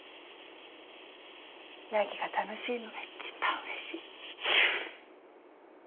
凪が楽しいのが一番うれしい。